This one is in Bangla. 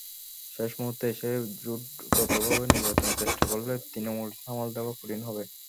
শেষ মুহূর্তে এসে জোটগতভাবে নির্বাচনের চেষ্টা করলে তৃণমূল সামাল দেওয়া কঠিন হবে।